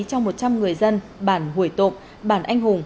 cho một trăm linh người dân bản hủy tụ bản anh hùng